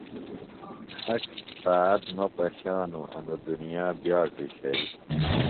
اک ساعت مہ پش انوۡ دنیا بِیاٹوۡ شئی۔